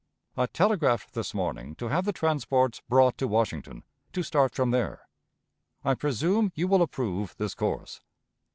I telegraphed this morning to have the transports brought to Washington, to start from there. I presume you will approve this course.